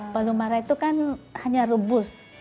palu mara itu kan hanya rebus